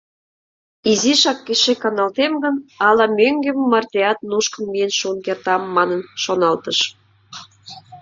Изишак эше каналтем гын, ала мӧҥгем мартеат нушкын миен шуын кертам манын шоналтыш.